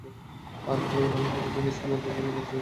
তারা ভালো রান করে দিলে স্পিনারদের জন্য কাজটা সহজ হয়ে যাবে।